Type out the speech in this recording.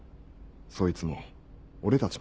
そいつも俺たちも。